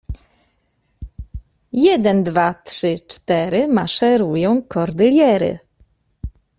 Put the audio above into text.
Jeden, dwa, trzy, cztery maszerują Kordyliery